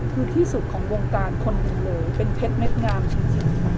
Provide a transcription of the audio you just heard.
คือที่สุดของวงการคนโอ้โหเป็นเพชรเม็ดงามจริง